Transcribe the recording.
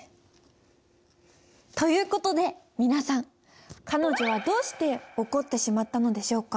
という事で皆さん彼女はどうして怒ってしまったのでしょうか？